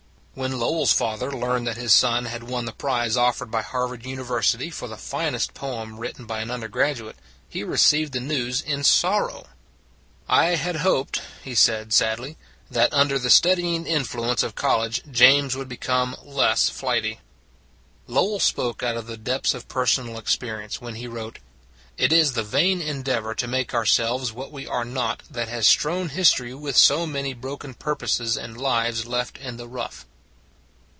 When Lowell s father learned that his son had won the prize offered by Harvard University for the finest poem written by an undergraduate, he received the news in sorrow. " I had hoped," he said sadly, " that under the steadying influence of college James would become less flighty." Lowell spoke out of the depths of per sonal experience when he wrote: " It is the vain endeavor to make our selves what we are not that has strewn his tory with so many broken purposes and lives left in the rough."